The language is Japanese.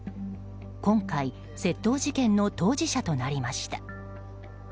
今回、窃盗事件の当事者となりました。